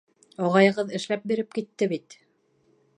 Ағайығыҙ эшләп биреп китте бит.